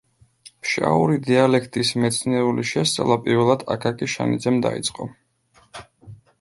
ფშაური დიალექტის მეცნიერული შესწავლა პირველად აკაკი შანიძემ დაიწყო.